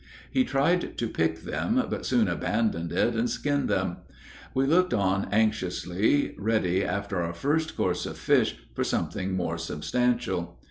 He tried to pick them, but soon abandoned it, and skinned them. We looked on anxiously, ready after our first course of fish for something more substantial.